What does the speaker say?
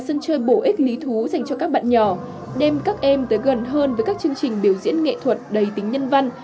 các sân chơi bổ ích lý thú dành cho các bạn nhỏ đem các em tới gần hơn với các chương trình biểu diễn nghệ thuật đầy tính nhân văn